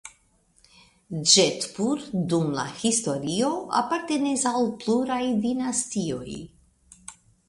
Ĝetpur dum la historio apartenis al pluraj dinastioj.